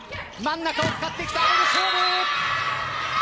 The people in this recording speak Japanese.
真ん中を使ってきた！